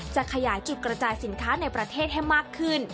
จะขยายจุดกระจายสินค้าในประเทศให้มากขึ้น